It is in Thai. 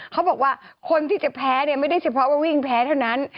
เขาบอกว่าคนที่จะแพ้เนี่ยไม่ได้เฉพาะว่าวิ่งแพ้เท่านั้น